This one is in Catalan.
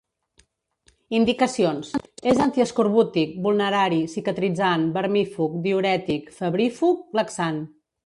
Indicacions: és antiescorbútic, vulnerari, cicatritzant, vermífug, diürètic, febrífug, laxant.